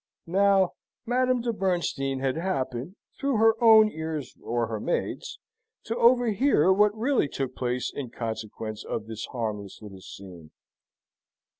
Now, Madame de Bernstein had happened, through her own ears or her maid's, to overhear what really took place in consequence of this harmless little scene.